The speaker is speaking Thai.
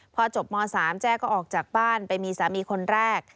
พอจบม๓แจ้ก็ออกจากบ้านไปมีสามีคนแรก